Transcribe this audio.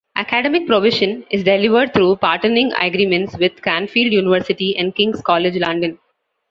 Academic provision is delivered through partnering agreements with Cranfield University and King's College London.